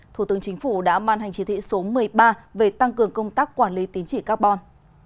thủ tướng chính phủ đã ban hành chỉ thị số một mươi ba về tăng cường công tác quản lý tín chỉ carbon